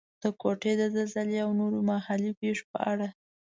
د کوټې د زلزلې او نورو محلي پېښو په اړه.